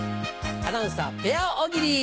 アナウンサーペア大喜利！